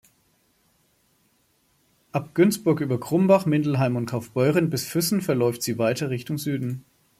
Ab Günzburg über Krumbach, Mindelheim und Kaufbeuren bis Füssen verläuft sie weiter Richtung Süden.